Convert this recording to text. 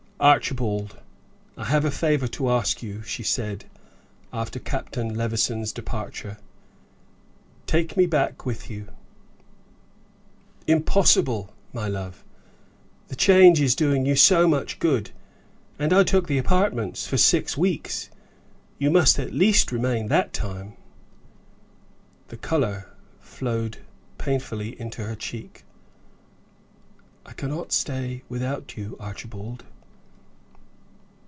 "Archibald, I have a favor to ask you," she said, after Captain Levison's departure. "Take me back with you." "Impossible, my love. The change is doing you so much good; and I took the apartments for six weeks. You must at least remain that time." The color flowed painfully into her cheek. "I cannot stay without you, Archibald."